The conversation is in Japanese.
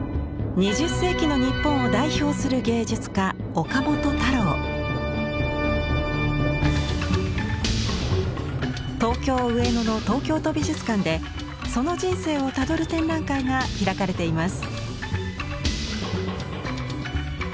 ２０世紀の日本を代表する芸術家東京上野の東京都美術館でその人生をたどる展覧会が開かれています。